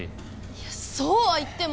いやそうはいっても。